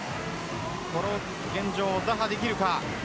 この現状を打破できるか。